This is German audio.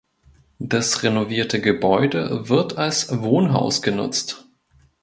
Das renovierte Gebäude wird als Wohnhaus genutzt.